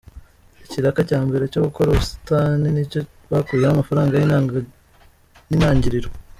Ikiraka cya mbere cyo gukora ubusitani nicyo bakuyemo amafaranga y’intangiriro.